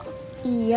nah itu ya